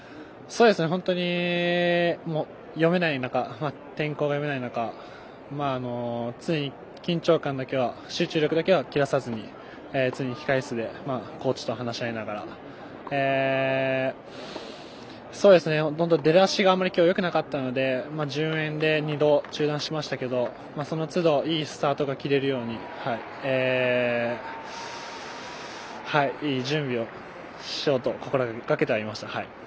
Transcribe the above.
本当に天候が読めない中常に緊張感だけは集中力だけは切らさずに常に控え室でコーチと話し合いながら出だしが本当に今日あまりよくなかったので順延で、２度中断しましたけどそのつど、いいスタートが切れるようにいい準備をしようと心がけてはいました。